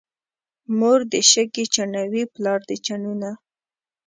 مور دې شګې چڼوي، پلار دې چنونه.